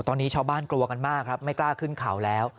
ตอนนี้ชาวบ้านกลัวกันมากครับไม่กล้าขึ้นเขาแล้ว